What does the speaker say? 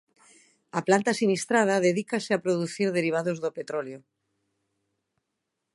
A planta sinistrada dedícase a producir derivados do petróleo.